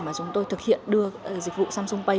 mà chúng tôi thực hiện đưa dịch vụ samsung pay